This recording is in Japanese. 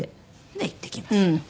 で行ってきますけど。